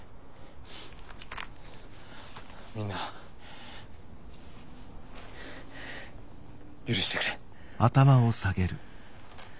みんな許してくれ。